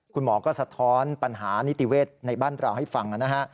คุณหมอก็สะท้อนปัญหานิติเวศในบ้านเราให้ฟังนะฮะ